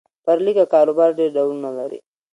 پر لیکه کاروبار ډېر ډولونه لري.